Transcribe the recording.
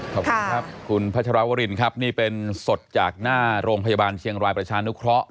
ครับคุณพระเจราวรินครับนี่เป็นโศตรจากหน้าโรงพยาบาลเชียงรายประชานุเคาะ